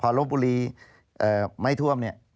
พอรบบุรีไม่ถวม